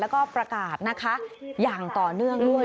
แล้วก็ประกาศนะคะอย่างต่อเนื่องด้วย